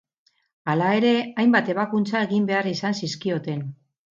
Hala ere, hainbat ebakuntza egin behar izan zizkioten.